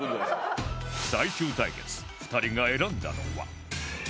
最終対決２人が選んだのは